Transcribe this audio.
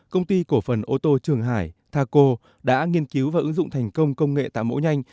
công ty cổ phần ô tô trường hải taco đã nghiên cứu và ứng dụng thành công công nghệ tạo mẫu nhanh